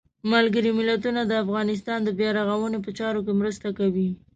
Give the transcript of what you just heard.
ملګري ملتونه د افغانستان د بیا رغاونې په چارو کې مرسته کوي.